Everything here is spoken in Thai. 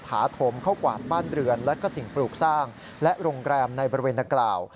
ถาโถมเข้ากวาดบ้านเรือนและก็สิ่งปลูกสร้างและโรงแรมในบริเวณนักกล่าว